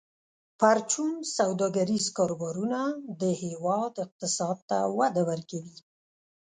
پرچون سوداګریز کاروبارونه د هیواد اقتصاد ته وده ورکوي.